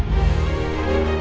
kalau kamu ngasih uang cepet atau